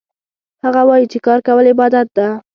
هغه وایي چې کار کول عبادت ده